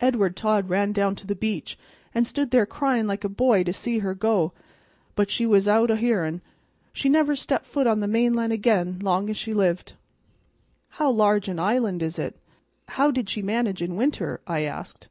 Edward Todd ran down to the beach, an' stood there cryin' like a boy to see her go, but she was out o' hearin'. She never stepped foot on the mainland again long as she lived." "How large an island is it? How did she manage in winter?" I asked.